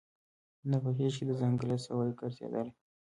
نه په غېږ کي د ځنګله سوای ګرځیدلای